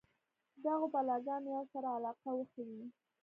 دغو بلاکونو یوه سره علاقه وښيي.